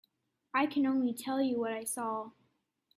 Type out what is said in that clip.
I can only tell you what I saw.